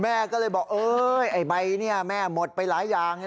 แม่ก็เลยบอกไอ้ใบนี้แม่หมดไปหลายอย่าง